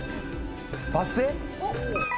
バス停？